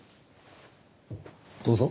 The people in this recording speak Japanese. どうぞ。